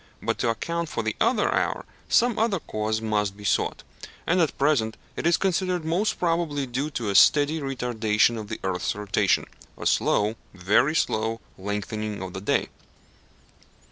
But to account for the other hour some other cause must be sought, and at present it is considered most probably due to a steady retardation of the earth's rotation a slow, very slow, lengthening of the day.